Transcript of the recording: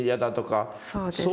そうです。